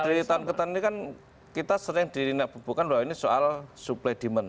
jadi tahun ke tahun ini kan kita sering dirinafbubukan bahwa ini soal suplai demand